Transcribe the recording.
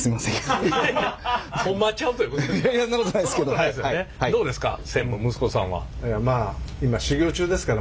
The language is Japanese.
どうですか？